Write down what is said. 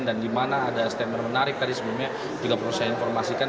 dan di mana ada stemer menarik tadi sebelumnya juga perlu saya informasikan